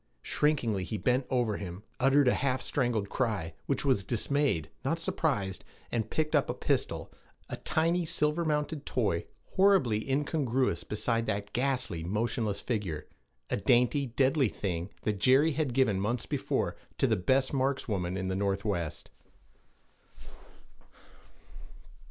Shrinkingly he bent over him, uttered a half strangled cry, which was dismayed, not surprised, and picked up a pistol, a tiny silver mounted toy, horribly incongruous beside that ghastly, motionless figure a dainty, deadly thing that Jerry had given months before to the 'best markswoman in the Northwest.'